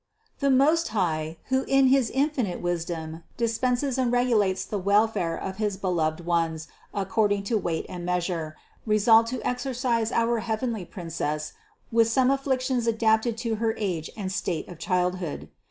The Most High, who in his infinite wisdom dis penses and regulates the welfare of his beloved ones according to weight and measure, resolved to exercise our heavenly Princess with some afflictions adapted to her age and state of childhood.